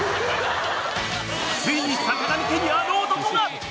ついに坂上家にあの男が。